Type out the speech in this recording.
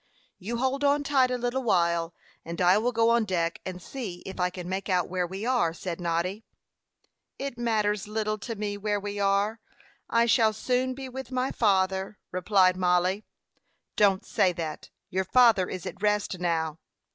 "You hold on tight a little while, and I will go on deck, and see if I can make out where we are," said Noddy. "It matters little to me where we are. I shall soon be with my father," replied Mollie. "Don't say that. Your father is at rest now."